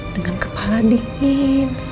dengan kepala dingin